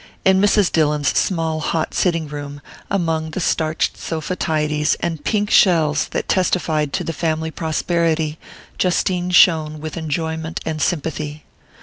In Mrs. Dillon's small hot sitting room, among the starched sofa tidies and pink shells that testified to the family prosperity, Justine shone with enjoyment and sympathy.